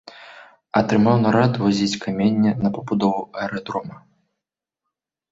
Атрымаў нарад вазіць каменне на пабудову аэрадрома.